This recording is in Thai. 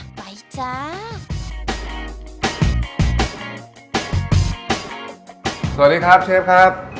สวัสดีครับเชฟครับ